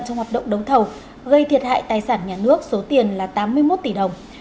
trong hoạt động đấu thầu gây thiệt hại tài sản nhà nước số tiền là tám mươi một tỷ đồng